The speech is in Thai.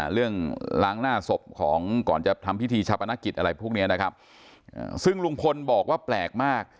ล้างหน้าศพของก่อนจะทำพิธีชาปนกิจอะไรพวกนี้นะครับซึ่งลุงพลบอกว่าแปลกมาก